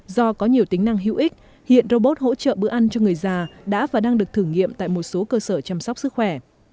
do có nhiều tính năng hữu ích hiện robot hỗ trợ bữa ăn cho người già đã và đang được thử nghiệm tại một số cơ sở chăm sóc sức khỏe